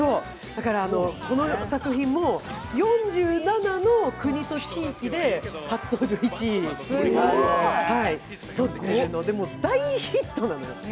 この作品も４７の国と地域で初登場１位とってるので大ヒットなのよ。